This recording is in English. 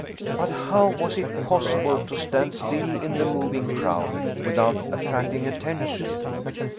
But how was it possible to stand still in the moving crowd without attracting attention?